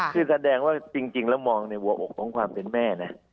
คือแสดงว่าจริงแล้วมองในหัวอกของความเป็นแม่นะ